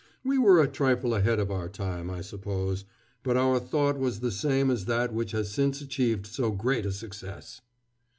We were a trifle ahead of our time, I suppose, but our thought was the same as that which has since achieved so great a success."